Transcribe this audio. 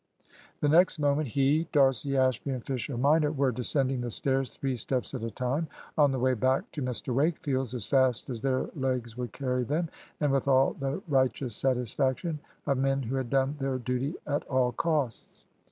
The next moment he, D'Arcy, Ashby, and Fisher minor were descending the stairs three steps at a time on the way back to Mr Wakefield's as fast as their legs would carry them, and with all the righteous satisfaction of men who had done their duty at all costs.